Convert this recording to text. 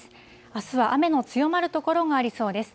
あすは雨の強まる所がありそうです。